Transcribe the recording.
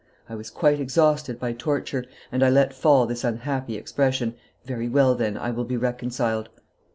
"I was quite exhausted by torture, and I let fall this unhappy expression: 'Very well, then, I will be reconciled.